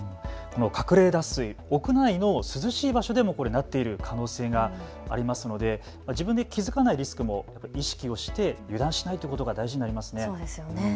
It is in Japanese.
この隠れ脱水、屋内の涼しい場所でもなっている可能性がありますので、自分で気付かないリスクも、意識をして油断しないってことが大事になりますね。